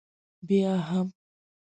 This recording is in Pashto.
بیا هم.